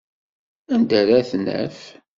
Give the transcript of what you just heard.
Anda ara t-naf?